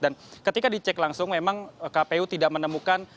dan ketika dicek langsung memang kpu tidak menemukan